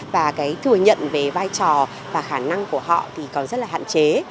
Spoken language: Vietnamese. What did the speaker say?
và cái thừa nhận về vai trò và khả năng của họ thì còn rất là hạn chế